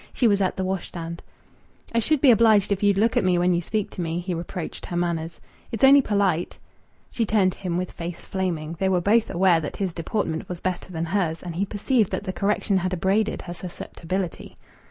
She was at the washstand. "I should be obliged if you'd look at me when you speak to me," he reproached her manners. "It's only polite." She turned to him with face flaming. They were both aware that his deportment was better than hers; and he perceived that the correction had abraded her susceptibility.